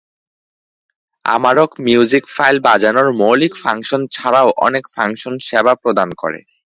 আমারক music file বাজানোর মৌলিক function ছাড়াও অনেক ফাংশন সেবা প্রদান করে।